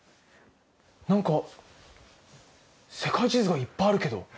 なんか、世界地図がいっぱいあるけど。